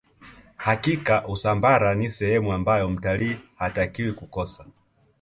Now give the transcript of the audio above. hakika usambara ni sehemu ambayo mtalii hatakiwa kukosa